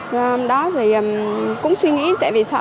rồi cũng suy nghĩ sẽ bị sợ